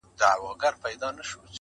د محاورې او کور کلي ژبې